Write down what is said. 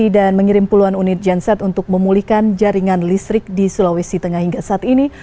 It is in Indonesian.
dan mengirim puluhan unit genset untuk memulihkan jaringan listrik di sulawesi tengah hingga saat ini